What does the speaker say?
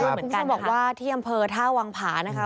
คุณผู้ชมบอกว่าที่อำเภอท่าวังผานะคะ